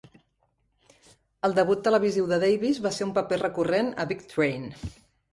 El debut televisiu de Davis va ser un paper recurrent a "Big Train".